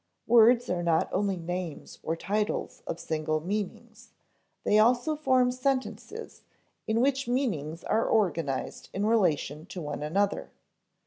Words are not only names or titles of single meanings; they also form sentences in which meanings are organized in relation to one another.